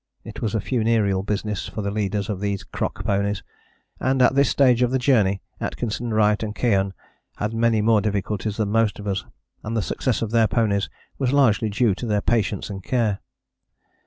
It was a funereal business for the leaders of these crock ponies; and at this stage of the journey Atkinson, Wright and Keohane had many more difficulties than most of us, and the success of their ponies was largely due to their patience and care.